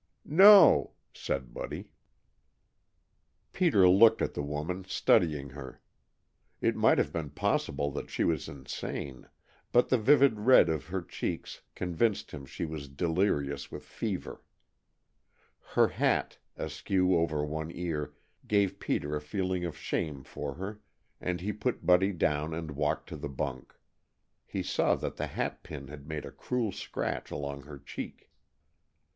"No," said Buddy. Peter looked at the woman, studying her. It might have been possible that she was insane, but the vivid red of her cheeks convinced him she was delirious with fever. Her hat, askew over one ear, gave Peter a feeling of shame for her, and he put Buddy down and walked to the bunk. He saw that the hat pin had made a cruel scratch along her cheek.